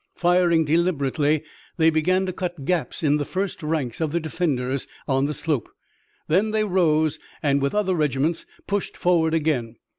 Firing deliberately, they began to cut gaps in the first ranks of the defenders on the slope. Then they rose and with other regiments pushed forward again.